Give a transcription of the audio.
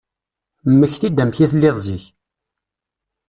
Mmekti-d amek i telliḍ zik.